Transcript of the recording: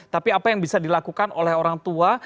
tapi apa yang bisa dilakukan oleh orang tua